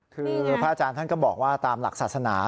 คือพระอาจารย์ท่านก็บอกว่าตามหลักศาสนา